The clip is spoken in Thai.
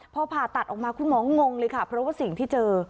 พอผ่าตัดออกมาคุณหมองงเลยค่ะเพราะว่าสิ่งที่เจอ